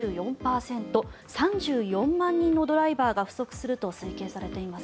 更に２０３０年には３４％３４万人のドライバーが不足すると推計されています。